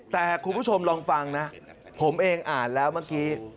แต่คุณผู้ชมลองฟังนะผมเองอ่านแล้วเมื่อกี้